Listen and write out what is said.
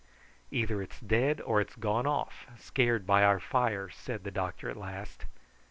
"Either it's dead or it has gone off, scared by our fire," said the doctor at last.